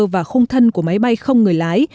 và không thân của máy bay không người lái